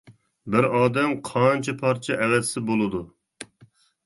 بىر ئادەم قانچە پارچە ئەۋەتسە بولىدۇ.